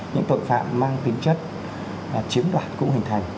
những tội phạm mang tính chất chiếm đoạt cũng hình thành